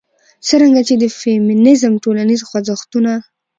څرنګه چې د فيمنيزم ټولنيز خوځښتونه